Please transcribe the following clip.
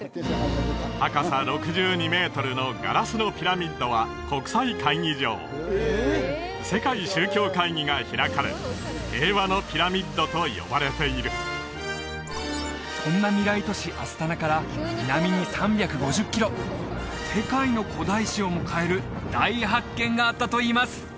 高さ６２メートルのガラスのピラミッドは国際会議場世界宗教会議が開かれ平和のピラミッドと呼ばれているそんな未来都市アスタナから南に３５０キロ世界の古代史をも変える大発見があったといいます